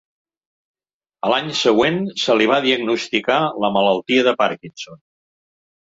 A l'any següent se li va diagnosticar la malaltia de Parkinson.